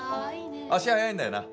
足速いんだよな？